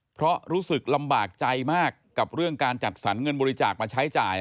เพราะรู้สึกลำบากใจมากกับเรื่องการจัดสรรเงินบริจาคมาใช้จ่าย